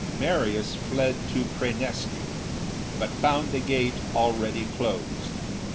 Marius fled to Preneste, but found the gate already closed.